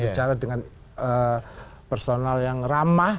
bicara dengan personal yang ramah